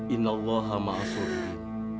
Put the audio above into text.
inna allah ma'asolih